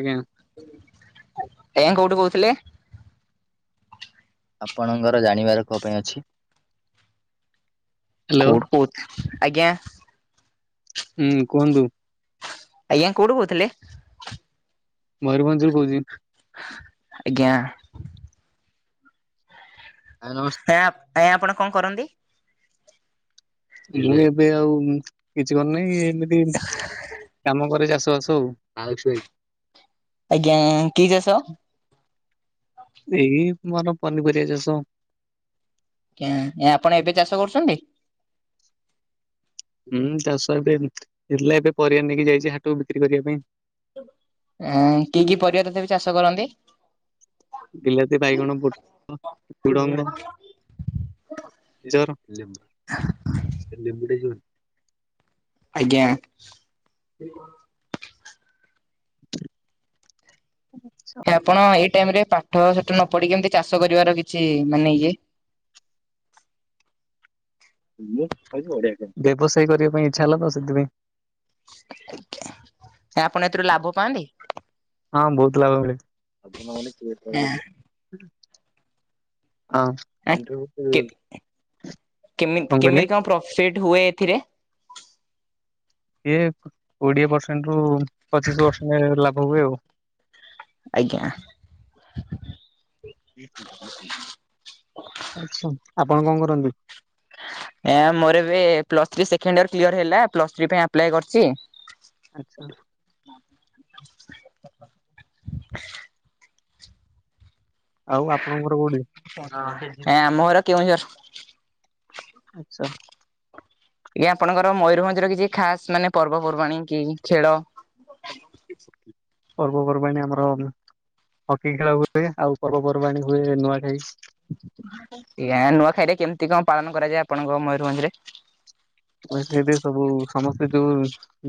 ଆଜ୍ଞା। ଆଜ୍ଞା କୋଉଠୁ କହୁଥିଲେ? ଆପଣଙ୍କର ଜାଣିବାର କୋଉଥି ପାଇଁ ଅଛି? କୋଉଠ କହୁଛୁ ଆଜ୍ଞା। ହୁଁ କୁହନ୍ତୁ? ଆଜ୍ଞା କୋଉଠୁ କହୁଥିଲେ? ମୟୂରଭଞ୍ଜରୁ କହୁଛି। ଆଜ୍ଞା। ଆଜ୍ଞା ନମସ୍କ ଆା ଆଜ୍ଞା ଆପଣ କଣ କରନ୍ତି? ଏ ଏବେ ଆଉ କିଛି କରିନି ହିଁ ଏମିତି କାମ କରେ ଚାଷ ବାସ ଆଉ ଆଜ୍ଞା କି ଚାଷ? ଏଇ ମୋର ପନିପରିବା ଚାଷ। ଆଜ୍ଞା, ଆପଣ ଏବେ ଚାଷ କରୁଛନ୍ତି? ହୁଁ ଚାଷ ଏବେ ହେଇଥିଲା ଏବେ ପରିବା ନେଇକି ଯାଇଛି ହାଟକୁ ବିକ୍ରି କରିବା ପାଇଁ ଆଁ କି କି ପରିବା ତଥାପି ଚାଷ କରନ୍ତି? ବିଲାତି ବାଇଗଣ, ପୋଟଳ, ଝୁଡଙ୍ଗ [unintelligible] ଆଜ୍ଞା। [unintelligible] [inaudible] ଆପଣ ଏଇ ଟାଇମ ରେ ପାଠ ସାଠ ନ ପଢିକି ଏମିତି ଚାଷ କରିବାର କିଛି ମାନେ ଇଏ ବ୍ୟବସାୟ କରିବା ପାଇଁ ଇଛା ହେଲା ତ ସେଥିପାଇଁ ଆପଣ ଏଥିରୁ ଲାଭ ପାଆନ୍ତି? ହଁ ବହୁତ ଲାଭ ମିଳେ। ହଁ ଅଁ ଆ କେମ କେମିତି କଣ ପ୍ରଫିଟ୍ ହୁଏ ଏଥିରେ ଇଏ କୋଡିଏ ପରସେଣ୍ଟ ରୁ ପଚିଶ ପରସେଣ୍ଟ ଲାଭ ହୁଏ ଆଉ ଆଜ୍ଞା। ଆଛା, ଆପଣ କଣ କରନ୍ତି? ମୋର ଏବେ plus three second year clear ହେଲା, ପ୍ଲସ୍ ଥ୍ରୀ ପାଇଁ ଆପ୍ଲାଏ କରିଛି। ଆଛା। ଆଉ ଆପଣଙ୍କ ଘର କୋଉଠି? ଆମ ଘର କେଉଁଝର। ଆଛା। ଆଜ୍ଞା, ଆପଣଙ୍କର ମୟୂରଭଞ୍ଜର କିଛି ଖାସ ମାନେ ପର୍ବପର୍ବାଣୀ କି ଖେଳ? ପର୍ବପର୍ବାଣି ଆମର ହକି ଖେଳ ହୁଏ ଆଉ ପର୍ବପର୍ବାଣି ହୁଏ ନୂଆ ଖାଇ ଆଜ୍ଞା ନୂଆଖାଇରେ କେମିତି କଣ ପାଳନ କରାଯାଏ ଆପଣଙ୍କ ମୟୂରଭଞ୍ଜରେ ସେଇ ସବୁ ସମସ୍ତେ ଯୋଉ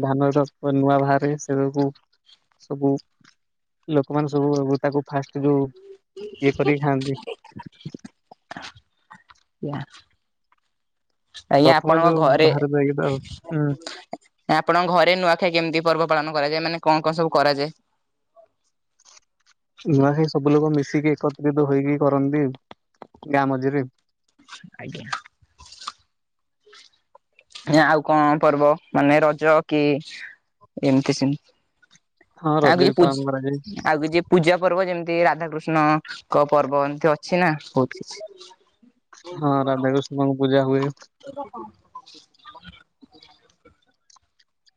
ଧାନ ନୂଆ ବାହାରେ ସେ ସବୁ ଲୋକମାନେ ସବୁ ତାକୁ ଫାଷ୍ଟ ଯୋଉ ଇଏ କରିକି ଖାଆନ୍ତି। [unintelligible] ଆଜ୍ଞା ପ୍ରଥମେ ଆପଣଙ୍କ ଯୋଉ ଘରେ ବାହାର ଯାଇକି ତ ହୁଁ ଆପଣଙ୍କ ଘରେ ନୂଆଖାଇ କେମିତି ପର୍ବ ପାଳନ କରାଯାଏ, ମାନେ କଣ କଣ ସବୁ କରାଯାଏ? ନୂଆଖାଇ ସବୁ ଲୋକ ମିଶିକି ଏକତ୍ରିତ ହେଇକି କରନ୍ତି ଗାଁ ମଝିରେ ଆଜ୍ଞା। ଆ ଆଉ କଣ ପର୍ବ, ମାନେ ରଜ କି ଏମତି ସେମତି? ହଁ ରଜ କିଛି ବି ପୂ ପାଳନ କରାଯାଏ ଆଉ କିଛି ପୂଜା ପର୍ବ ଯେମିତି ରାଧାକୃଷ୍ଣଙ୍କ ପର୍ବ ଏମିତି ଅଛି ନା ବହୁତ କିଛି ହଁ ରାଧାକୃଷ୍ଣଙ୍କ ପୂଜା ହୁଏ। ଏଇଟା କଣ?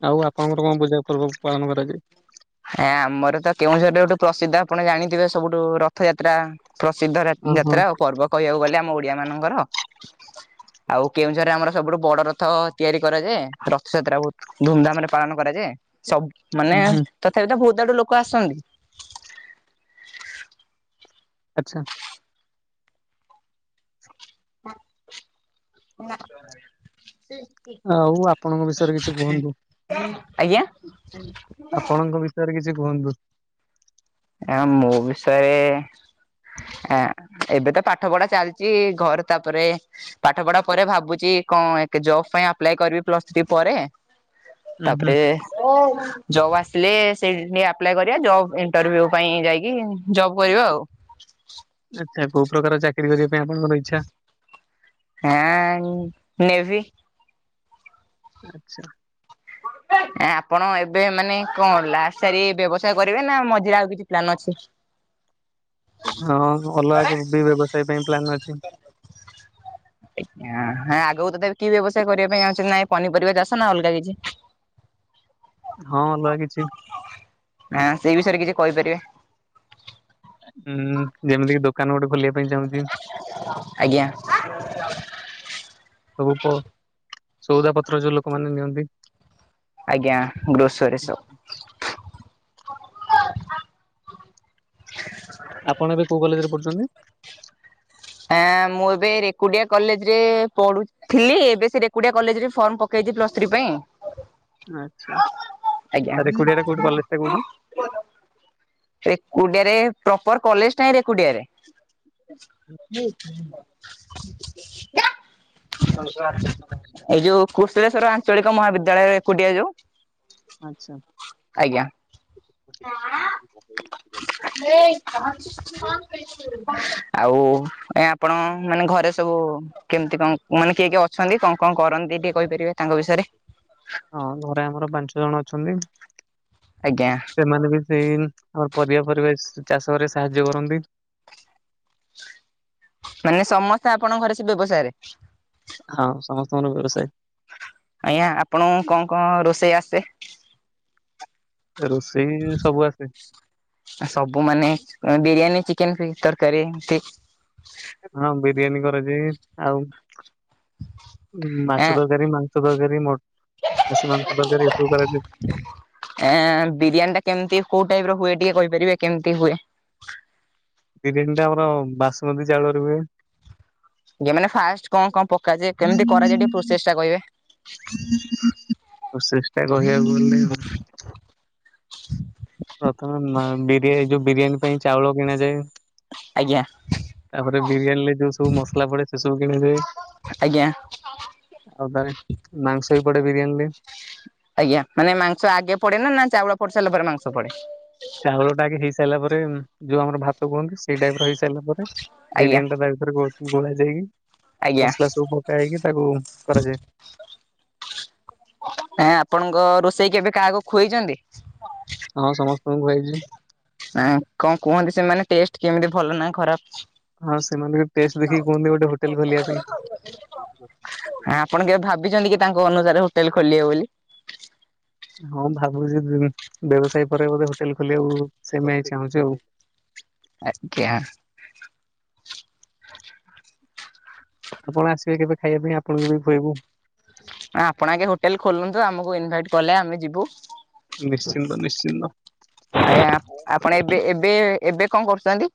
ଆଉ ଆପଣଙ୍କର କଣ ପୂଜା ପର୍ବ ପାଳନ କରାଯାଏ? ହଁ ଆମର ତ କେଉଁଝରିଆ ଲୋକ, ସିଧା ଆପଣ ଜାଣିଥିବେ ସବୁଠୁ ରଥଯାତ୍ରା। ପ୍ରସିଦ୍ଧ ଯାତ୍ରା ଓ ପର୍ବ କହିବାକୁ ଗଲେ ଆମ ଓଡିଆ ମାନଙ୍କର ଆଉ କେଉଁଝରେ ଆମର ସବୁଠୁ ବଡ ରଥ ତିଆରି କରାଯାଏ, ରଥଯାତ୍ରା ବହୁତ ଧୁମଧାମ ରେ ପାଳନ କରାଯାଏ, ସବୁ ମାନେ ହୁଁ ହୁଁ ତଥାପି ତ ବହୁତ ଆଡୁ ଲୋକ ଆସନ୍ତି। ଆଛା। ହଁ ହଁ [unintelligible] ଆଉ ଆପଣଙ୍କ ବିଷୟରେ କିଛି କୁହନ୍ତୁ? ହ ଆପଣଙ୍କ ବିଷୟରେ କିଛି କୁହନ୍ତୁ। ଆ ମୋ ବିଷୟରେ ଆ ଏବେ ତ ପାଠ ପଢା ଚାଲିଚି। ଘରେ ତାପରେ ପାଠ ପଢା ପରେ ଭାବୁଚି କଣ ଏକ ଜବ ପାଇଁ ଆପ୍ଲାଏ କରିବି ପ୍ଲସ ଥ୍ରୀ ପରେ। ତା ଉଁ ହୁଁ ପରେ ଜବ ଆସିଲେ ସେ ଏ [unintelligible] ଅପ୍ଲାଏ କରିବା। ଜବ ଇନ୍ ଇଣ୍ଟରଭ୍ୟୁ ପାଇଁ ଯାଇକି ଜବ୍ କରିବା ଆଉ। ଆଚ୍ଛା କୋଉ ପ୍ରକାର ଚାକିରି କରିବା ପାଇଁ ଆପଣଙ୍କର ଇଚ୍ଛା? ହେଁ ଅଁ ନେଭି। ଆଚ୍ଛା। ଆଁ ଆପଣ ଏବେ ମାନେ କଣ ଲାସ ସାରି ବ୍ୟବସାୟ କରିବେ। ନା ମଝିରେ ଆଉ କିଛି ପ୍ଲାନ୍ ଅଛି? ହଁ ଅଲଗା କୁ ବି ବ୍ୟବସାୟ ପାଇଁ ପ୍ଲାନ୍ ଅଛି। ଆଜ୍ଞା ହେଁ ଆଗକୁ ତଥାପି କି ବ୍ୟବସାୟ କରିବା ପାଇଁ ଚାହୁଁଚନ୍ତି ନାଇଁ ପନିପରିବା ଚାଷ ନା ଅଲଗା କିଛି? ହଁ ଅଲଗା କିଛି। ଆଁ ସେଇ ବିଷୟରେ କିଛି କହିପାରିବେ? ଉଁ ଯେମିତି କିି ଦୋକାନ ଗୋଟେ ଖୋଲିବା ପାଇଁ ଚାହୁଁଚି। ଆଜ୍ଞା। ସବୁପ ସଉଦା ପତ୍ର ଯୋଉ ଲୋକମାନେ ନିଅନ୍ତି। ଆଜ୍ଞା ଗ୍ରୀସରୀ ସପ୍। ଆପଣ ଏବେ କୋଉ କଲେଜରେ ପଢୁଚନ୍ତି? ଆ ମୁଁ ଏବେ ରେକୁଡିଆ କଲେଜ ରେ ପଢୁଚ୍ ଥିଲି ଏବେ ସେ ରେକୁଡିଆ କଲେଜରେ ଫର୍ମ ପକେଇଚି ପ୍ଲସ ଥ୍ରୀ ପାଇଁ। ଆଜ୍ଞା ତା ରେକୁଡିଆ ଟା କୋଉଠି କଲେଜ ଟା କୋଉଠି? ରେକୁଡିଆରେ ପ୍ରପର କଲେଜ ଟା ହିଁ ରେକୁଡିଆରେ। ହଁ। ଏଇ ଯୋଉ କୃଶଳେଶ୍ଵର ଆଞ୍ଚଳିକ ମହାବିଦ୍ୟାଳୟ ରେକୁଡ଼ିଆ ଯୋଉ? ଆଚ୍ଛା। ଆଜ୍ଞା। ଆଉ ଏ ଆପଣ ମାନେ ଘରେ ସବୁ କେମିତି କଣ ମାନେ କିଏ କିଏ ଅଛନ୍ତି କଣ କଣ କରନ୍ତି ଟିକେ କହିପାରିବେ ତାଙ୍କ ବିଷୟରେ? ହଁ ଘରେ ଆମର ପାଞ୍ଚ ଜଣ ଅଛନ୍ତି। ଆଜ୍ଞା। ସେମାନେ ବି ସେଇ ଆମର ପରିବା ପରିବେଶ ଚାଷ ରେ ସାହାଯ୍ୟ କରନ୍ତି। ମାନେ ସମସ୍ତେ ଆପଣଙ୍କ ଘରେ ସେ ବ୍ୟବସାୟରେ? ହଁ ସମସ୍ତଙ୍କର ବ୍ୟବସାୟୀ। ଆଜ୍ଞା ଆପଣଙ୍କୁ କଣ କଣ ରୋଷେଇ ଆସେ? ରୋଷେଇ ସବୁ ଆସେ। ଆ ସବୁ ମାନେ ଏଁ ବିରିୟାନୀ ଚିକେନ ଫି ତରକାରୀ ତି ହଁ ବିରିୟାନୀ କରାଯାଏ। ଆଉ ମାଛ ଏଁ ତରକାରୀ, ମାଂ ସ ତରକାରୀ ମଟ ଖାସି ମାଂସ ତରକାରୀ ଏସବୁ କରାଯାଏ। ଏଁ ବିରିୟାନୀ ଟା କେମିତି କୋଉ ଟାଇପର ହୁଏ। ଟିକେ କହିପାରିବେ କେମିତି ହୁଏ? ବିରିୟାନୀ ଟା ଆମର ବାସୁମତୀ ଚାଉଳରେ ହୁଏ। ଯେ ମାନେ ଫାଷ୍ଟ କଣ କଣ ପକାଯାଏ। କେମିତି କରାଯାଏ ଟିକେ ପ୍ରୋସେସ ଟା କହିବେ? ଚେଷ୍ଟା କହିବାକୁ ଗଲେ ପ୍ରଥମେ ମା ବିରିୟାନୀ ଯୋଉ ବିରିୟାନୀ ପାଇଁ ଚାଉଳ କିଣାଯାଏ। ଆଜ୍ଞା। ତାପରେ ବିରିୟାନୀରେ ଯୋଉ ସବୁ ମସଲା ପଡେ ସେ ସବୁ କିଣିଯାଏ। ଆଜ୍ଞା। ଅଦାରେ ମାଂସ ବି ପଡେ ବିରିୟାନୀରେ ଆଜ୍ଞା ମାନେ ମାଂସ ଆଗେ ପଡେ ନା ନା ଚାଉଳ ପଡି ସାରିଲା ପରେ ମାଂସ ପଡେ? ଚାଉଳଟା ଆଗେ ହେଇସାରିଲା ପରେ ଯୋଉ ଆମର ଭାତ କୁହନ୍ତି ସେଇ ଟାଇପ ର ହେଇସାରିଲା ପରେ ଆଜ୍ଞା। ବିରିୟାନୀ ଟା ତା ଭିତରେ ଗୋ ଗୋଳା ଯାଇକି ଆଜ୍ଞା ମସଲା ସବୁ ପକା ହେଇକି ତାକୁ କରାଯାଏ। ଆ ଆପଣଙ୍କ ରୋଷେଇ କେବେ କାହାକୁ ଖୁଏଇଛନ୍ତି? ହଁ ସମସ୍ତଙ୍କୁ ଖୁଆଇଛି। ଆଁ କଣ କୁହନ୍ତି ସେମାନେ ଟେଷ୍ଟ କେମିତି ଭଲ ନା ଖରାପ? ହଁ ସେମାନେ ବି ଟେଷ୍ଟ ଦେଖି କୁହନ୍ତି ଗୋଟେ ହୋଟେଲ ଖୋଲିବା ପାଇଁ। ଆପଣ କେବେ ଭାବିଛନ୍ତି କି ତାଙ୍କ ଅନୁସାରେ ହୋଟେଲ ଖୋଲିବେ ବୋଲି? ହଁ ଭାବୁଛି ଦେ ଵ୍ୟବସାୟ ପରେ ବୋଧେ ହୋଟେଲ ଖୋଲିବାକୁ ସେମାଇ ଚାହୁଁଚି ଆଉ। ଆଜ୍ଞା। ଆପଣ ଆସିବେ କେବେ ଖାଇବା ପାଇଁ ଆପଣଙ୍କୁ ବି ଖୁଏଇବୁ? ଆପଣ ଆଗେ ହୋଟେଲ ଖୋଲନ୍ତୁ ଆମକୁ ଇନଭାଇଟ କଲେ ଆମେ ଯିବୁ। ନିଶ୍ଚିନ୍ତ ନିଶ୍ଚିନ୍ତ। ଆଜ୍ଞା ଆପଣ ଏବେ ଏବେ ଏବେ କଣ କରୁଛନ୍ତି?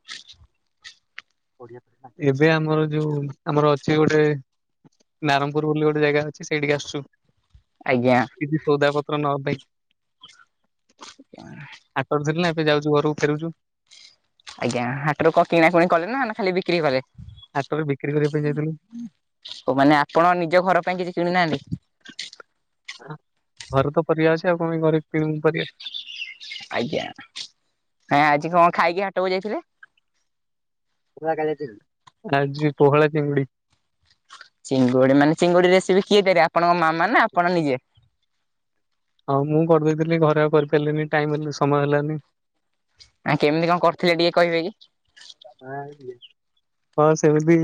ଏବେ ଆମର ଯୋଉ ଆମର ଅଛି ଗୋଟେ ନାରମପୁର ବୋଲି ଗୋଟେ ଜାଗା ଅଛି ସେଇଠିକି ଆସୁଛୁ। ଆଜ୍ଞା। କିଛି ସୋଉଦା ପତ୍ର ନବା ପାଇଁ ସେ [unintelligible] ହାଟରେ ଥିଲିନା ଏବେ ଯାଉଛୁ ଘରକୁ ଫେରୁଛୁ। ଆଜ୍ଞା। ହାଟରୁ କଣ କିଣା କୁଣି କଲେ ନା ଖାଲି ବିକ୍ରି କଲେ? ହାଟରେ ବିକ୍ରି କରିବା ପାଇଁ ଯାଇଥିଲୁ। ଓ ମାନେ ଆପଣ ନିଜ ଘର ପାଇଁ କିଛି କିଣିନାହାନ୍ତି? ଘରେ ତ ପରିବା ଅଛି ଆଉ କଣ ପାଇଁ ଘରେ କିଣିବୁ ପରିବା। ଆଜ୍ଞା କାଇଁ ଆଜି କଣ ଖାଇକି ହାଟକୁ ଯାଇଥିଲେ? ଆଜି ପୋହଳା ଚିଙ୍ଗୁଡି। ଚିଙ୍ଗୁଡି ମାନେ ଚିଙ୍ଗୁଡି ରେସିପି କିଏ ତିଆରି ଆପଣଙ୍କ ମାମା ନା ଆପଣ ନିଜେ? ହଁ ମୁଁ କରିଦେଇଥିଲି ଘରେ ଆଉ କରିପାରିଲିନି ଟାଇମ ହେଲ୍ ସମୟ ହେଲାନି। ଆ କେମିତି କଣ କରିଥିଲେ ଟିକେ କହିବେକି? ହଁ ସେମିତି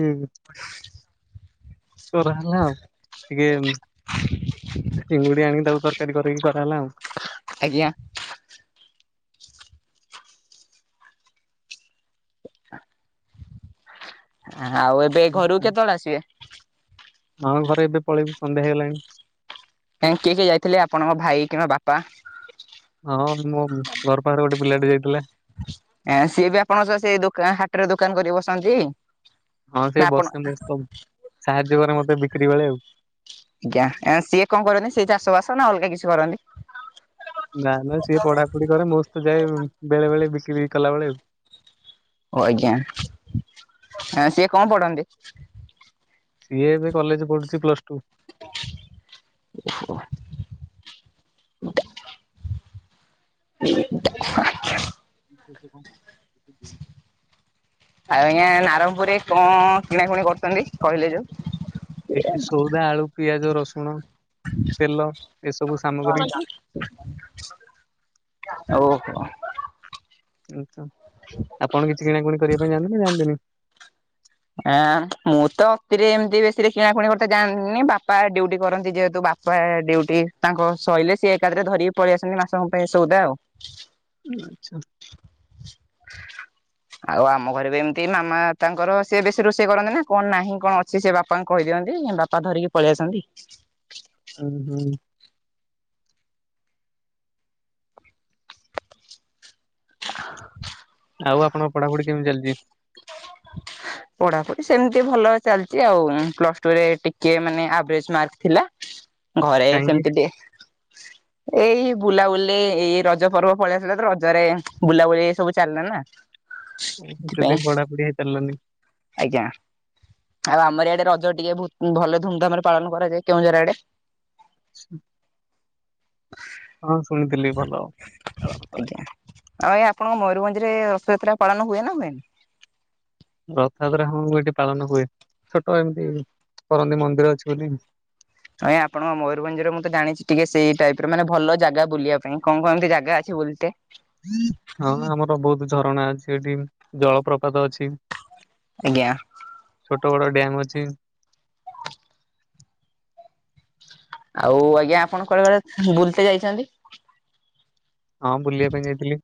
କରାହେଲା ଆଉ ଟିକେ ଚିଙ୍ଗୁଡି ଆଣିକି ତାକୁ ତରକାରୀ କରିକି କରାହେଲା ଆଉ। ଆଜ୍ଞା। ଆଉ ଏବେ ଘରକୁ କେତେବେଳେ ଆସିବେ? ହଁ ଘରେ ଏବେ ପଳେଇବୁ ସନ୍ଧ୍ୟା ହେଇଗଲାଣି। କାଇଁ କିଏ କିଏ ଯାଇଥିଲେ ଆପଣଙ୍କ ଭାଇ କିମ୍ବା ବାପା? ହଁ ମୋ ଘର ପାଖରେ ଗୋଟେ ପିଲାଟେ ଯାଇଥିଲା। ଆ ସିଏ ବି ଆପଣଙ୍କ ସହ ସେ ଦୋକା ହାଟରେ ଦୋକାନ କରି ବସନ୍ତି? ହଁ ସେ ନା ଆପଣ ବସେ ମୋ ସହିତ ସାହାଯ୍ୟ କରେ ମତେ ବିକ୍ରି ବେଳେ ଆଉ। ଆଜ୍ଞା ସିଏ କଣ କରନ୍ତି ସେ ଚାଷ ବାସ ନା ଅଲଗା କିଛି କରନ୍ତି? ନା ନା ସିଏ ପଢାପଢି କରେ ମୋ ସହିତ ଯାଏ ବେଳେ ବେଳେ ବିକ୍ରି କଲାବେଳେ ଆଉ। ଓ ଆଜ୍ଞା ସିଏ କଣ ପଢନ୍ତି? ସିଏ ଏବେ କଲେଜ ପଢୁଛି ପ୍ଲସ ଟୁ। ଓହୋ। [unintelligible] ଆଉ ଆଜ୍ଞା ନାରଙ୍ଗପୁରରେ କଣ କିଣା କୁଣି କରୁଛନ୍ତି କହିଲେ ଯୋଉ? ଏଠି ସଉଦା ଆଳୁ, ପିଆଜ, ରସୁଣ ତେଲ ଏସବୁ ସାମଗ୍ରୀ [unintelligible] ଓହୋ। ଆଚ୍ଛା ଆପଣ କିଛି କିଣାକୁଣି କରିବା ପାଇଁ ଯାଆନ୍ତି ନା ଯାଆନ୍ତିନି? ଆଁ ମୁଁ ତ ଅତିରେ ଏମିତି ବେଶୀରେ କିଣାକୁଣି କରିତେ ଯାଆନ୍ତିନି। ବାପା ଡ୍ୟୁଟି କରନ୍ତି ଯେହେତୁ ବା ପା ଡ୍ୟୁଟି ତାଙ୍କ ସଇଲେ ସିଏ ଏକା ଥରକେ ଧରିକି ପଳେଇଆସନ୍ତି ମାସଙ୍କ ପାଇଁ ସଉଦା ଆଉ। ଆଚ୍ଛା। ଆଉ ଆମ ଘରେ ବି ଏମିତି ମାମା ତାଙ୍କର ସିଏ ବେଶୀ ରୋଷେଇ କରନ୍ତି ନା କଣ ନାହିଁ କଣ ଅଛି ସେ ବାପାଙ୍କୁ କହିଦିଅନ୍ତି ବାପା ଧରିକି ପଳେଇଆସନ୍ତି। ଉଁ ହୁଁ। [unintelligible] ଆଉ ଆପଣଙ୍କ ପଢାପଢି କେମିତି ଚାଲିଛି? [unintelligible] ପଢାପଢି ସେମିତି ଭଲ ଚାଲିଛି ଆଉ। ପ୍ଲସ ଟୁରେ ଟିକେ ମାନେ ଆଭରେଜ୍ ମାର୍କ ଥିଲା। ଘରେ କାହିଁକି ସେମିତି ଟିକେ ଏଇ ବୁଲାବୁଲି ଏଇ ରଜ ପର୍ବ ପଳେଇଆସିଲା। [unintelligible] ରଜରେ ବୁଲାବୁଲି ଏ ସବୁ ଚାଲିଲା ନା। ଉଁହୁଁ ସେଥିପାଇଁ ସେଇଥିପାଇଁ ପଢାପଢି ହେଇପାରିଲାନି। ଆଜ୍ଞା। ଆଉ ଆମର ଇଆଡେ ରଜ ଟିକେ ବହୁତ୍ ଭଲ ଧୁମଧାମରେ ପାଳନ କରାଯାଏ କେଉଁଝର ଆଡେ। [unintelligible] ହଁ ଶୁଣିଥିଲି ଭଲ ପାଳନ ଆଜ୍ଞା। କରାଯାଏ। ଆଉ ଆଜ୍ଞା ଆପଣଙ୍କ ମୟୂରଭଞ୍ଜରେ ରଥଯାତ୍ରା ପାଳନ ହୁଏ ନା ହୁଏନି? ରଥଯାତ୍ରା ହଁ [unintelligible] ଏଇଠି ପାଳନ ହୁଏ। ଛୋଟ ଏମିତି କରନ୍ତିି ମନ୍ଦିର ଅଛି ବୋଲି। ଆଜ୍ଞା ଆପଣଙ୍କ ମୟୂରଭଞ୍ଜରେ ମୁଁ ତ ଜାଣିଛି ଟିକେ ସେଇ ଟାଇପର ମାନେ ଭଲ ଜାଗା ବୁଲିବା ପାଇଁ। କଣ କଣ ଏମିତି ଜାଗା ଅଛି ବୁଲତେ? ହଁ ଆମର ବହୁତ ଝରଣା ଅଛି ଏଇଠି। ଜଳପ୍ରପାତ ଅଛି। ଆଜ୍ଞା। ଛୋଟ ବଡ ଡ୍ୟାମ୍ ଅଛି। ଆଉ ଆଜ୍ଞା ଆପଣ କୁଆଡେ କୁଆଡେ ବୁଲତେ ଯାଇଛନ୍ତି? ହଁ ବୁଲିବା ପାଇଁ ଯାଇଥିଲି।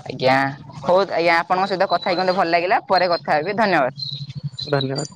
ଆଜ୍ଞା ହଉ ଆଜ୍ଞା। ଆପଣଙ୍କ ସହିତ କଥା ହେଇକି ମତେ ଭଲ ଲାଗିଲା। ପରେ କଥା ହେବି ଧନ୍ୟବାଦ। ଧନ୍ୟବାଦ।